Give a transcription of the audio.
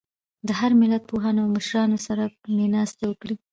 د هر ملت پوهانو او مشرانو سره مې ناستې وکړې.